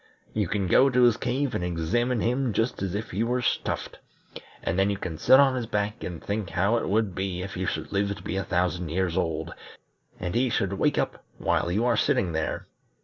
You can go to his cave and examine him just as if he were stuffed, and then you can sit on his back and think how it would be if you should live to be a thousand years old, and he should wake up while you are sitting there.